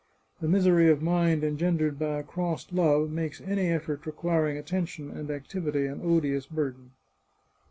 The misery of mind engendered by a crossed love makes any effort requiring attention and activity an odious burden.